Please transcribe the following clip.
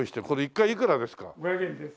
５００円です。